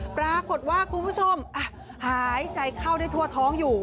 ปรากฏว่าคุณผู้ชมหายใจเข้าได้ทั่วท้องอยู่